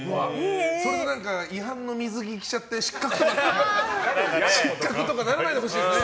それで違反の水着を着ちゃって失格とかならないでほしいですね。